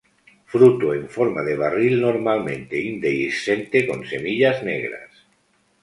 Fruto en forma de barril, normalmente indehiscente con semillas negras.